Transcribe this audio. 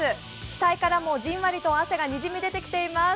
額からもじんわりと汗がにじみ出てきています。